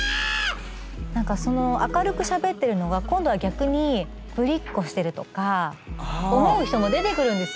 何かその明るくしゃべってるのが今度は逆にぶりっ子してるとか思う人も出てくるんですよ。